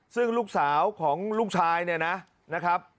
ซึ่งลูกสาวของลูกชายเนี่ยนะครับ